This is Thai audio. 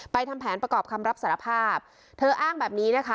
ทำแผนประกอบคำรับสารภาพเธออ้างแบบนี้นะคะ